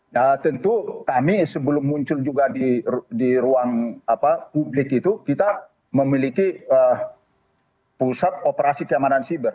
nah tentu kami sebelum muncul juga di ruang publik itu kita memiliki pusat operasi keamanan siber